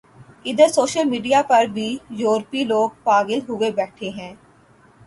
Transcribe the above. ادھر social media پر بھی ، یورپی لوگ پاغل ہوئے بیٹھے ہیں ۔